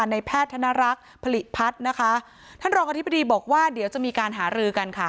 ในแพทย์ธนรักษ์ผลิตพัฒน์นะคะท่านรองอธิบดีบอกว่าเดี๋ยวจะมีการหารือกันค่ะ